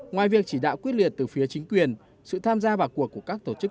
ngoài việc chỉ đạo quyết liệt từ phía chính quyền sự tham gia vào cuộc của các tổ chức